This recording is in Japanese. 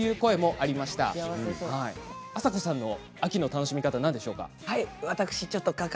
あさこさんの秋の楽しみ方は何でしょうか。